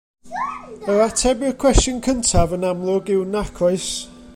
Yr ateb i'r cwestiwn cyntaf yn amlwg yw nac oes.